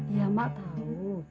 ya maaak tau